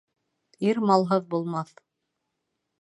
Ир малһыҙ булмаҫ